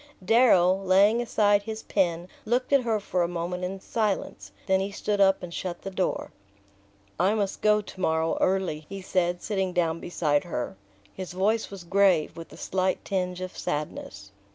Darrow, laying aside his pen, looked at her for a moment in silence; then he stood up and shut the door. "I must go to morrow early," he said, sitting down beside her. His voice was grave, with a slight tinge of sadness.